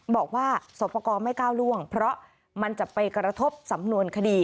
บอกว่าสอบประกอบไม่ก้าวล่วงเพราะมันจะไปกระทบสำนวนคดี